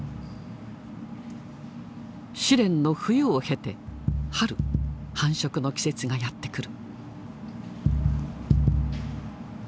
試練の冬を経て春繁殖の季節がやってくる。